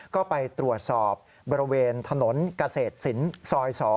ก็ไปตรวจสอบบริเวณถนนเกษตรศิลป์ซอย๒